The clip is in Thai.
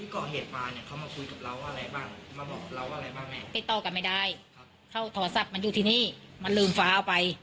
จะต้นกับไม่ได้เขาแทนทัพมันอยู่ที่นี่มันลืมฝาไป